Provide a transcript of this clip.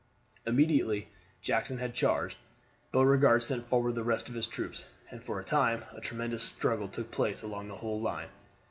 Immediately Jackson had charged, Beauregard sent forward the rest of the troops, and for a time a tremendous struggle took place along the whole line.